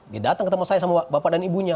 dia datang ketemu saya sama bapak dan ibunya